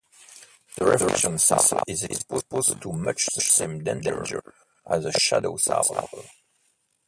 The reflection-soul is exposed to much the same dangers as the shadow-soul.